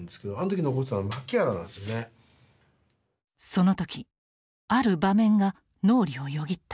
その時ある場面が脳裏をよぎった。